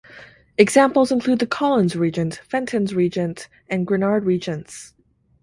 Examples include the Collins reagent, Fenton's reagent, and Grignard reagents.